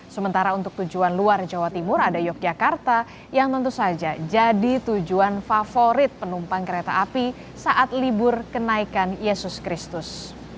sementara untuk tujuan luar jawa timur ada yogyakarta yang tentu saja jadi tujuan favorit penumpang kereta api saat libur kenaikan yesus kristus